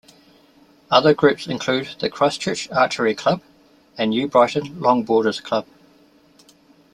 Other groups include the Christchurch Archery club and New Brighton long boarders club.